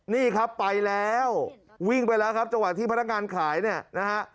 นี่ครับไปแล้ววิ่งไปแล้วครับจังหวะที่พนักงานขายเนี่ยนะฮะ